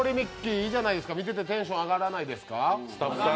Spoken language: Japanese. いいじゃないですか、見ててテンション上がらないですか？